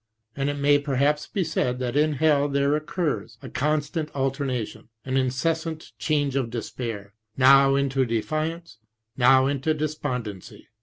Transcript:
And it may perhaps be said that in hell there occurs a con stant alternation, an incessant change of despair, now into defiance, now into despondency (compare Jer.